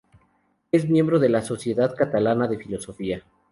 Es miembro de la Sociedad Catalana de Filosofía.